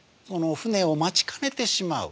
船を待ちかねてしまう。